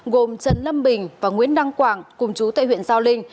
gồm trần lâm bình và nguyễn đăng quảng cùng chú tại huyện giao linh